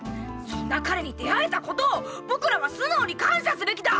そんな彼に出会えたことを僕らは素直に感謝すべきだ！